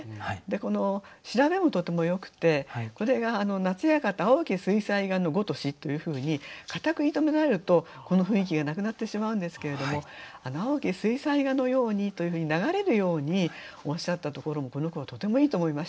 この調べもとてもよくてこれが「夏館青き水彩画の如し」というふうにかたく言い止められるとこの雰囲気がなくなってしまうんですけれども「青き水彩画のやうに」というふうに流れるようにおっしゃったところもこの句はとてもいいと思いました。